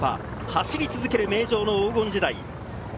走り続ける名城の黄金時代。